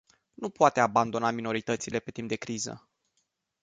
Nu poate abandona minoritățile pe timp de criză.